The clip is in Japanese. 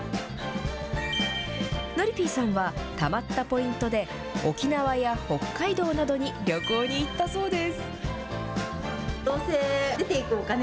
のりピーさんは、たまったポイントで沖縄や北海道などに旅行に行ったそうです。